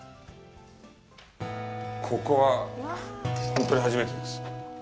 ここはほんとに初めてです。